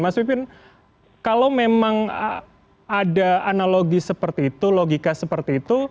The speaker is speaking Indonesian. mas pipin kalau memang ada analogi seperti itu logika seperti itu